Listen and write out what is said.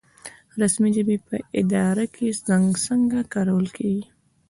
رسمي ژبې په اداره کې څنګه کارول کیږي؟